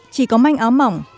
chỉ có manh áo mỏng